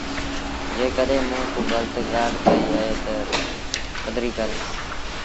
جيڪڏهينٚ موٚنٚ ڪو گلت ڳآل ڪئيٚ اهي تا پدريٚ ڪر۔